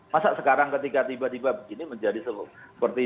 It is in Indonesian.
masa sekarang ketika tiba tiba begini menjadi seperti